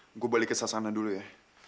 oke gue balik ke sana dulu ya